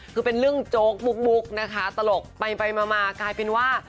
คือเป็นเรื่องโจ๊กมุกนะคะตลกไปมากลายเป็นว่า